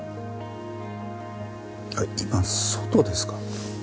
あっ今外ですか？